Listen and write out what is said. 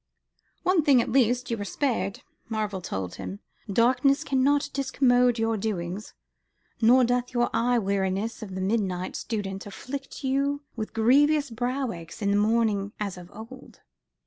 "One thing, at least, you are spared," Marvell told him, "darkness cannot discommode your doings, nor doth the eye weariness of the midnight student afflict you with grievous brow aches in the morning as of old."